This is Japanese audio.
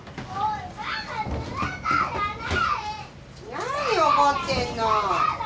何怒ってんの？